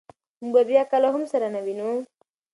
موږ به بیا کله هم سره نه وینو.